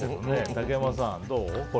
竹山さん、どう？